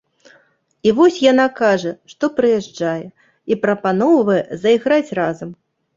І вось яна кажа, што прыязджае, і прапаноўвае зайграць разам.